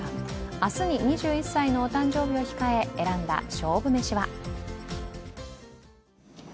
明日に２１歳の誕生日を控えた前日に選んだ勝負めしは？